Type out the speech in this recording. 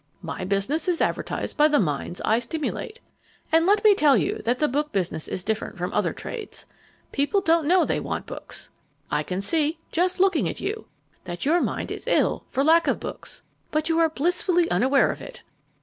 My business is advertised by the minds I stimulate. And let me tell you that the book business is different from other trades. People don't know they want books. I can see just by looking at you that your mind is ill for lack of books but you are blissfully unaware of it!